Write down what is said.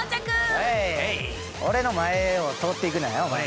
俺の前を通っていくなよお前ら。